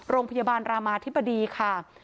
โรงพยาบาลรามาธิบดีค่ะ